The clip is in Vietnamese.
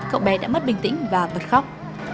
cậu bé đã mất bình tĩnh và bật khóc